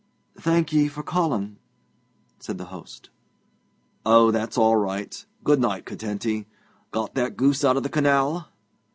'Thank ye for calling,' said the host. 'Oh, that's all right. Good night, Curtenty. Got that goose out of the canal?'